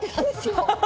ハハハ。